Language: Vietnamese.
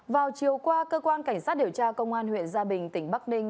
vào chiều qua cơ quan cảnh sát điều tra công an huyện gia bình tỉnh bắc ninh